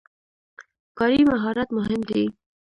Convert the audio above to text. کاري مهارت مهم دی.